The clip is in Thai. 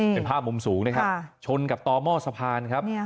เป็นภาพมุมสูงนะครับชนกับต่อหม้อสะพานครับ